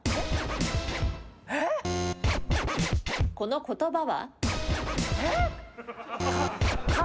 この言葉は？